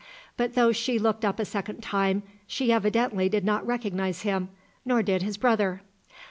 But though she looked up a second time, she evidently did not recognise him, nor did his brother.